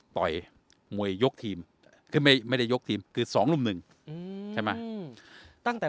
ต่อยมวยยกทีมคือไม่ได้ยกทีมคือสองรุ่มหนึ่งอืมใช่ไหมตั้งแต่